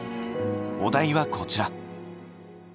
お題はこちら。